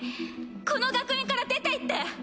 この学園から出ていって！